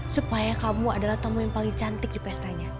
supaya kamu adalah tamu yang paling cantik di pestanya